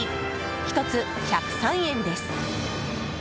１つ１０３円です。